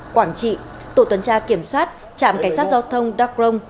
quảng trị tổ tuần tra kiểm soát trạm cảnh sát giao thông đắk rông